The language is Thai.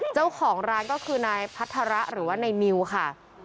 เจ้าของร้านก็คือนายพัฒระหรือว่าในนิวค่ะ